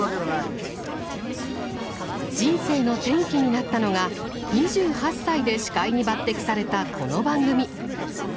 人生の転機になったのが２８歳で司会に抜てきされたこの番組。